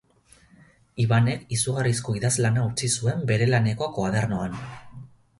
Ibanek izugarrizko idazlana utzi zuen bere laneko koadernoan.